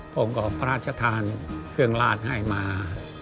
ผมก็พระราชทานเครื่องราชให้มา